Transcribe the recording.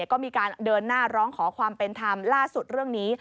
ก็มีการเดินหน้าร้องขอความเป็นธรรมล่าสุดเรื่องนี้